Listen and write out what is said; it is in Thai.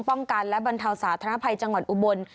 ป้องกันและบันทัศน์ฐานะภัยจังหวัดอุบล